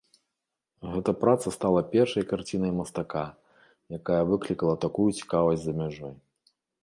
Гэта праца стала першай карцінай мастака, якая выклікала такую цікавасць за мяжой.